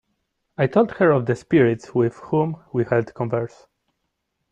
I told her of the spirits with whom we held converse.